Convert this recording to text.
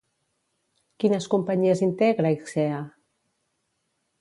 Quines companyies integra Exea?